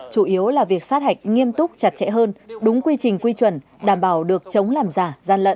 chủ yếu là việc sát hạch nghiêm túc chặt chẽ hơn đúng quy trình quy chuẩn đảm bảo được chống làm giả gian lận